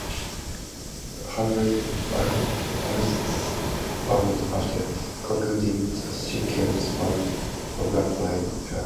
Hubbard arrests Margot after concluding that she killed Swann for blackmailing her.